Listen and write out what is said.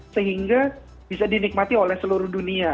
sehingga bisa dinikmati oleh seluruh dunia